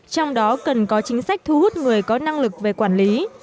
trong đó cần có chính sách thu hút người có năng lực về quản lý